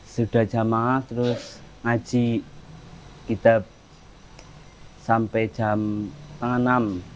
sudah jamah terus ngaji kita sampai jam panggang enam